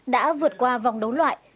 đã vượt qua vòng đấu loại